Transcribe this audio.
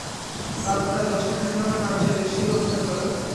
রাত প্রায় দশটা কিংবা তার চেয়ে বেশিও হতে পারে।